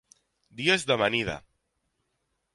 Dies d'amanida